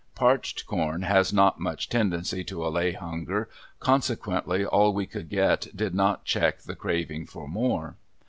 Parched corn has not much tendency to allay hunger, consequently all we could get did not check the craving for more.